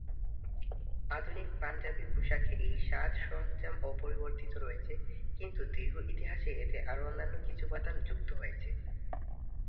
আধুনিক পাঞ্জাবী পোশাকে এই সাজ-সরঞ্জাম অপরিবর্তিত রয়েছে; কিন্তু দীর্ঘ ইতিহাসে এতে আরো অন্যান্য কিছু উপাদান যুক্ত হয়েছে।